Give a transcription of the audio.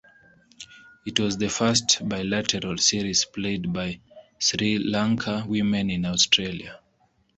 It was the first bilateral series played by Sri Lanka Women in Australia.